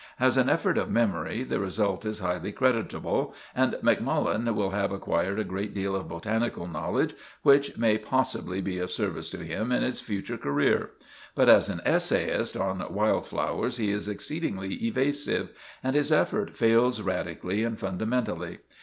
"As an effort of memory the result is highly creditable, and Macmullen will have acquired a great deal of botanical knowledge which may possibly be of service to him in his future career; but as an essayist on wild flowers he is exceedingly evasive, and his effort fails radically and fundamentally.